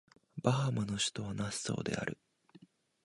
バハマの首都はナッソーである